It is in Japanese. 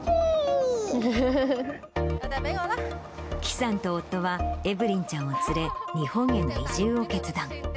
祁さんと夫は、エブリンちゃんを連れ、日本への移住を決断。